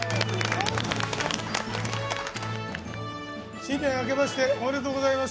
新年あけましておめでとうございます。